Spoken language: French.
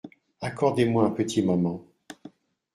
Accordez-moi un petit moment.